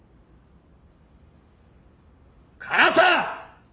唐沢！